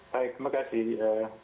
baik terima kasih